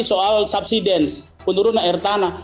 soal subsidence penurunan air tanah